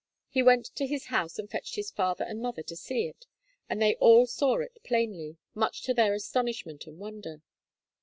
He went to his house and fetched his father and mother to see it, and they all saw it plainly, much to their astonishment and wonder.